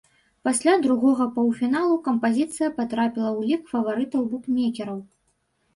Пасля другога паўфіналу кампазіцыя патрапіла ў лік фаварытаў букмекераў.